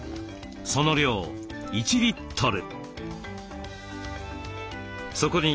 その量１リットル。